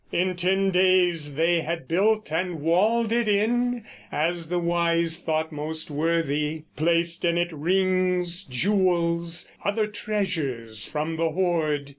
In ten days they had built and walled it in As the wise thought most worthy; placed in it Rings, jewels, other treasures from the hoard.